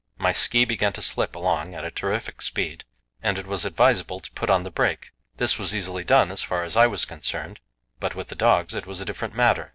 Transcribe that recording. My ski began to slip along at a terrific speed, and it was advisable to put on the brake. This was easily done as far as I was concerned, but with the dogs it was a different matter.